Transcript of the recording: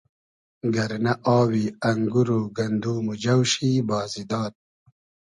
گئرنۂ آوی انگور و گندوم و جۆ شی بازی داد